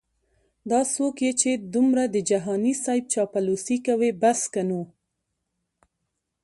دا څوک یې چې دمره د جهانې صیب چاپلوسې کوي بس که نو